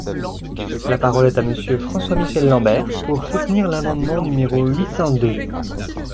La parole est à Monsieur François-Michel Lambert, pour soutenir l’amendement numéro huit cent deux.